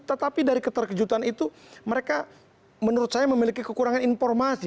tetapi dari keterkejutan itu mereka menurut saya memiliki kekurangan informasi